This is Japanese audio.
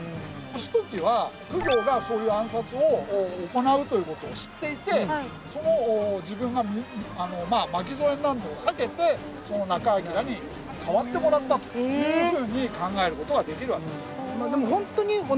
義時は公暁がそういう暗殺を行うという事を知っていて自分が巻き添えになるのを避けてその仲章に代わってもらったというふうに考える事はできるわけです。